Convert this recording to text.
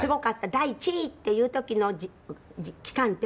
「第１位！」っていう時の期間って？